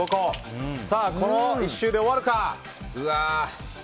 この１周で終わるか。